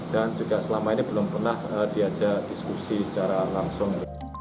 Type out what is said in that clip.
dan juga selama ini belum pernah diajak diskusi secara langsung